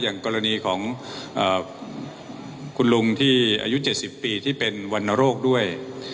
อย่างกรณีของคุณลุงที่อายุ๗๐ปีที่เป็นวรรณโรคด้วย